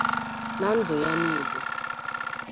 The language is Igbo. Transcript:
Na ndụ ya niile